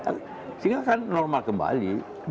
sehingga akan normal kembali